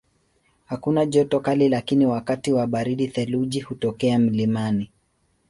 Hakuna joto kali lakini wakati wa baridi theluji hutokea mlimani.